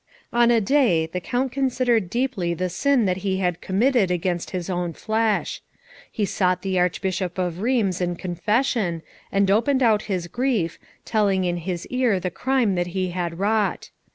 On a day the Count considered deeply the sin that he had committed against his own flesh. He sought the Archbishop of Rheims in confession, and opened out his grief, telling in his ear the crime that he had wrought.